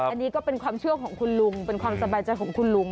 อันนี้ก็เป็นความเชื่อของคุณลุงเป็นความสบายใจของคุณลุง